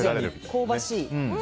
香ばしい。